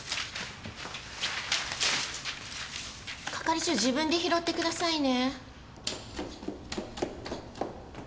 係長自分で拾ってくださいね。